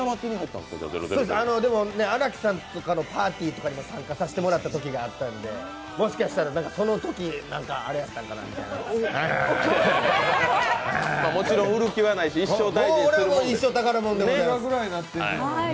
荒木さんとかのパーティーとかに参加させてもらったりしてたんでもしかしたらそのときあれやったんかなみたいな、ええ。もちろん売る気はないし一生大切にするものですね。